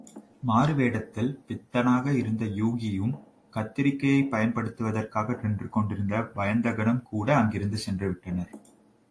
மாறுவேடத்தில் பித்தனாக இருந்த யூகியும் கத்தரிகையைப் பயன்படுத்துவதற்காக நின்று கொண்டிருந்த வயந்தகனும்கூட அங்கிருந்து சென்றுவிட்டனர்.